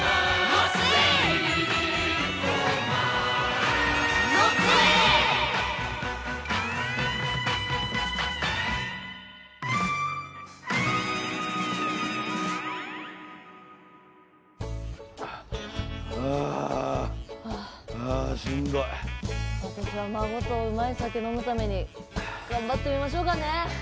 私は孫とうまい酒飲むために頑張ってみましょうかねえ！